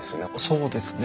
そうですね。